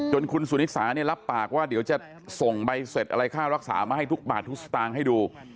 คุณสุนิสาเนี่ยรับปากว่าเดี๋ยวจะส่งใบเสร็จอะไรค่ารักษามาให้ทุกบาททุกสตางค์ให้ดู